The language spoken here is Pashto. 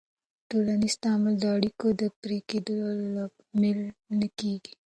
ټولنیز تعامل د اړیکو د پرې کېدو لامل نه کېږي.